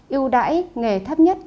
ưu đãi nghề thấp nhất